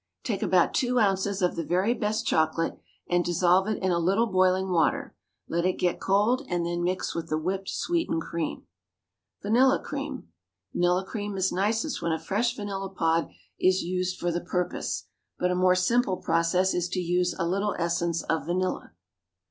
Take about two ounces of the very best chocolate and dissolve it in a little boiling water; let it get cold, and then mix with the whipped sweetened cream. VANILLA CREAM. Vanilla cream is nicest when a fresh vanilla pod is used for the purpose, but a more simple process is to use a little essence of vanilla.